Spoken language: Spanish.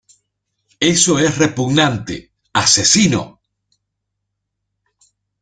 Eso es repugnante. ¡ Asesino!